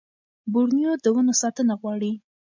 بورنېو د ونو ساتنه غواړي.